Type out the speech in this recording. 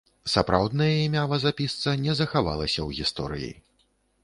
Сапраўднае імя вазапісца не захавалася ў гісторыі.